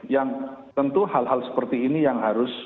yang tentu hal hal seperti ini yang harus